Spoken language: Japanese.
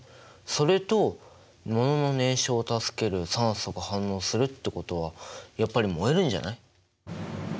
それとものの燃焼を助ける酸素が反応するってことはやっぱり燃えるんじゃない？